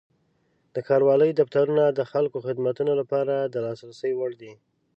د ښاروالۍ دفترونه د خلکو خدمتونو لپاره د لاسرسي وړ دي.